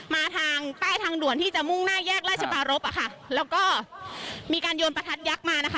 มาทางใต้ทางด่วนที่จะมุ่งหน้าแยกราชปารพอ่ะค่ะแล้วก็มีการโยนประทัดยักษ์มานะคะ